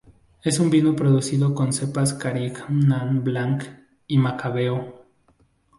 Es un vino producido con cepas carignan blanc y macabeo.